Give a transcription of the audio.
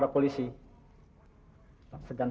anda harus berhenti mengatakannya